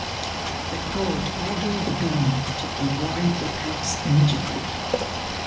The court ordered the government to provide the drugs immediately.